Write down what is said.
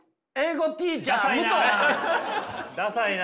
ダサいな。